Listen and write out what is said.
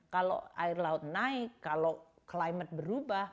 kalau air laut naik kalau climate berubah